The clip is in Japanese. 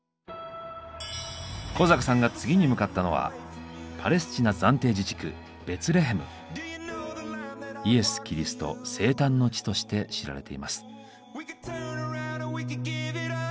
小坂さんが次に向かったのはイエス・キリスト生誕の地として知られています。